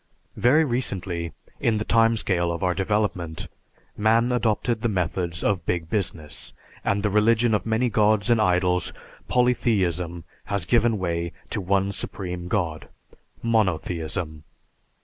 Very recently, in the time scale of our development, man adopted the methods of "Big Business," and the religion of many gods and idols, polytheism, has given way to one Supreme God, monotheism.